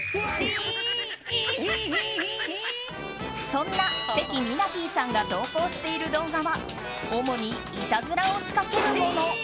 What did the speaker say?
そんな関ミナティさんが投稿している動画は主にいたずらを仕掛けるもの。